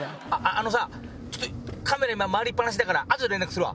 あのさカメラ回りっ放しだからあとで連絡するわ。